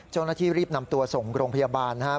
เจ้าหน้าที่รีบนำตัวส่งโรงพยาบาลนะครับ